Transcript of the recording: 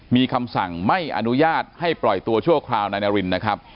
มีคำสั่งไม่อนุญาตให้ปล่อยตัวชั่วคราวนายนารินนะครับ